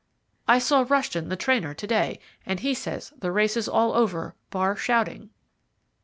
I saw Rushton, the trainer, to day, and he says the race is all over, bar shouting."